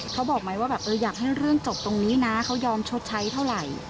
เขาบอกไหมว่าแบบเอออยากให้เรื่องจบตรงนี้นะเขายอมชดใช้เท่าไหร่